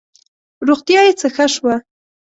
روغتیا یې څه ښه شوه.